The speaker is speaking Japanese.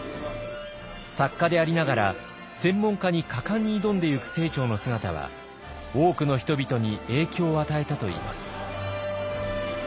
作家でありながら専門家に果敢に挑んでゆく清張の姿は多くの人々に影響を与えたといいます。